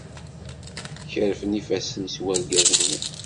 Kerfen ifassen-is urgaz-nni.